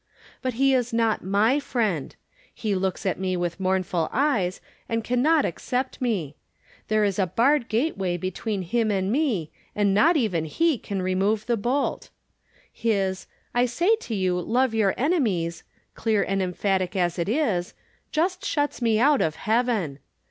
But he is not my friend ; he looks at me with mournful eyes, and can not ac cept me. There is a barred gateway between him and me, and not even he can remove the bolt, His, " I say unto you, love your enemies," clear and emphatic as it is, just shuts me out of heaven.